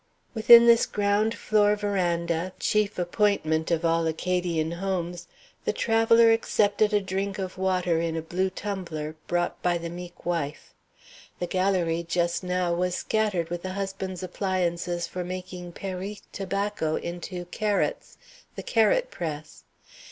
Within this ground floor veranda chief appointment of all Acadian homes the traveller accepted a drink of water in a blue tumbler, brought by the meek wife. The galérie just now was scattered with the husband's appliances for making Périque tobacco into "carats" the carat press.